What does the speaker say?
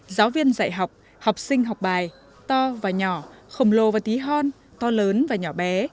giáo viên dạy học học sinh học bài to và nhỏ khổng lồ và tí hon to lớn và nhỏ bé